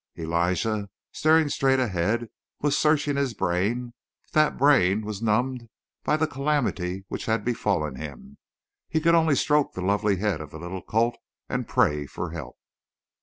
Elijah, staring straight ahead, was searching his brain, but that brain was numbed by the calamity which had befallen him. He could only stroke the lovely head of the little colt and pray for help.